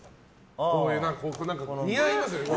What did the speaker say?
こういう、似合いますよね。